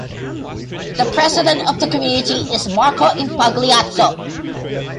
The president of the Community is Marco Impagliazzo.